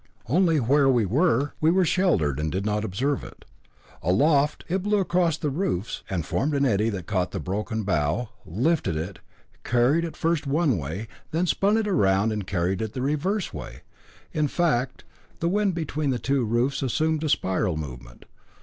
Only where we were we were sheltered and did not observe it. Aloft, it blew across the roofs, and formed an eddy that caught the broken bough, lifted it, carried it first one way, then spun it round and carried it the reverse way. In fact, the wind between the two roofs assumed a spiral movement.